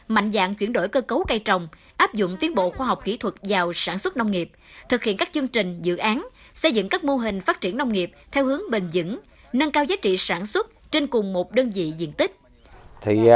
mạnh dạng chuyển đổi cơ cấu cây trồng áp dụng tiến bộ khoa học kỹ thuật vào sản xuất nông nghiệp thực hiện các chương trình dự án xây dựng các mô hình phát triển nông nghiệp theo hướng bền dững nâng cao giá trị sản xuất trên cùng một đơn vị diện tích